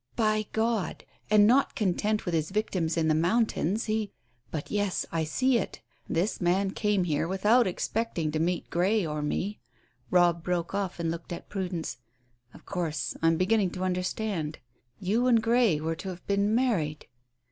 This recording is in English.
My God! And not content with his victims in the mountains, he But, yes, I see it. This man came here without expecting to meet Grey or me." Robb broke off and looked at Prudence. "Of course, I am beginning to understand. You and Grey were to have been married."